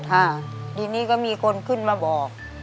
ค่ะทีนี้ก็มีคนขึ้นมาบอก